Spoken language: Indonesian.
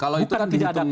kalau itu kan tidak ada